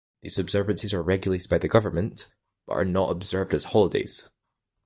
These observances are regulated by the government, but are not observed as holidays.